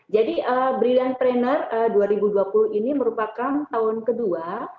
jadi brilliant trainer dua ribu dua puluh ini merupakan tahun kedua